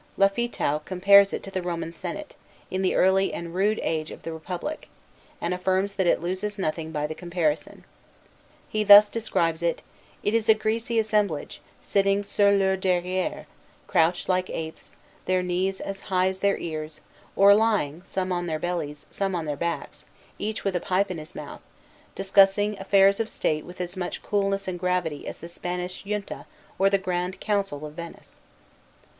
Lafitau compares it to the Roman Senate, in the early and rude age of the Republic, and affirms that it loses nothing by the comparison. He thus describes it: "It is a greasy assemblage, sitting sur leur derrière, crouched like apes, their knees as high as their ears, or lying, some on their bellies, some on their backs, each with a pipe in his mouth, discussing affairs of state with as much coolness and gravity as the Spanish Junta or the Grand Council of Venice."